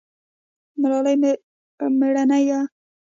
ملالۍ میړنۍ وه